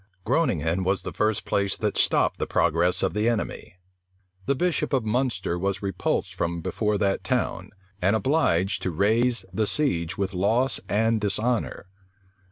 Groninghen was the first place that stopped the progress of the enemy: the bishop of Munster was repulsed from before that town, and obliged to raise the siege with loss and dishonor.